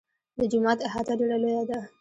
د جومات احاطه ډېره لویه ده.